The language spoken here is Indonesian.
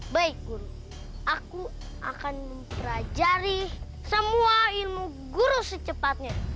baik guru aku akan mempelajari semua ilmu guru secepatnya